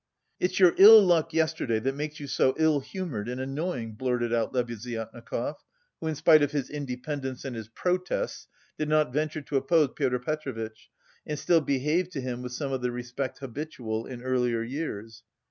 "It's your ill luck yesterday that makes you so ill humoured and annoying," blurted out Lebeziatnikov, who in spite of his "independence" and his "protests" did not venture to oppose Pyotr Petrovitch and still behaved to him with some of the respect habitual in earlier years.